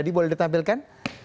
tadi boleh ditampilkan